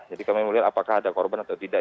jadi kami melihat apakah ada korban atau tidak